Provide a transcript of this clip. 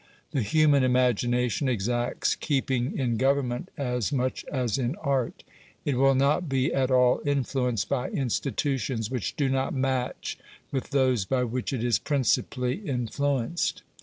The human imagination exacts keeping in government as much as in art; it will not be at all influenced by institutions which do not match with those by which it is principally influenced.